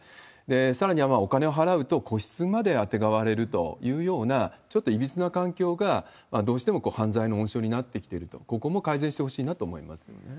さらにはお金を払うと個室まであてがわれるというような、ちょっといびつな環境が、どうしても犯罪の温床になってきていると、ここも改善してほしいなと思いますよね。